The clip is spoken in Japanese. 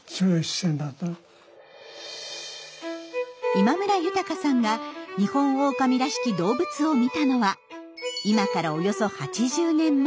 今村豊さんがニホンオオカミらしき動物を見たのは今からおよそ８０年前。